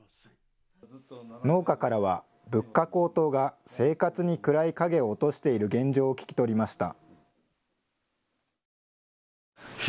農家からは、物価高騰が生活に暗い影を落としている現状を聞き取りました。